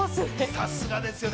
さすがですね。